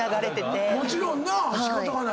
もちろんな仕方がない。